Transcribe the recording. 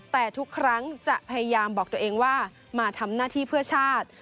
แต่ทุกครั้งจะพยายามบอกตัวเองว่ามาทำหน้าที่เพื่อชาติ